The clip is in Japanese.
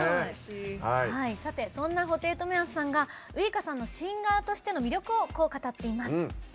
そんな布袋寅泰さんがウイカさんのシンガーとしての魅力をこう語っています。